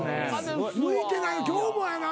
向いてない今日もやな